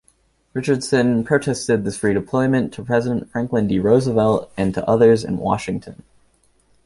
Richardson protested this redeployment to President Franklin D. Roosevelt and to others in Washington.